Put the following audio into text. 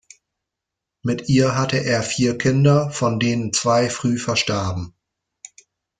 Mit ihr hatte er vier Kinder, von denen zwei früh verstarben.